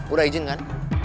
udah izin kan